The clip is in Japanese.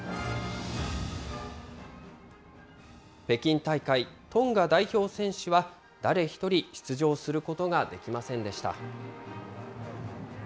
北京大会、トンガ代表選手は誰一人出場することができませんでした。